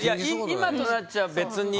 「今となっちゃ別に」